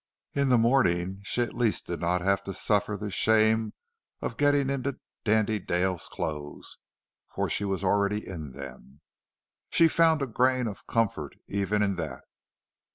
In the morning she at least did not have to suffer the shame of getting into Dandy Dale's clothes, for she was already in them. She found a grain of comfort even in that.